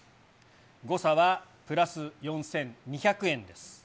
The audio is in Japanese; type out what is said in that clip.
誤差はプラス４２００円です。